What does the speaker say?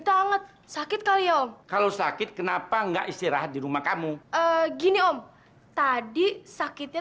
banget sakit kali om kalau sakit kenapa enggak istirahat di rumah kamu gini om tadi sakitnya